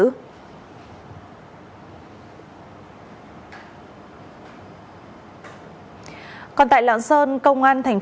còn tại lạng sơn công an tp lạng sơn vừa triệt phá thành công chuyên án